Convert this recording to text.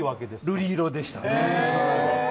瑠璃色でしたね。